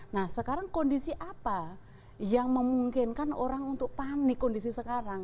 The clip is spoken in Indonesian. nah sekarang kondisi apa yang memungkinkan orang untuk panik kondisi sekarang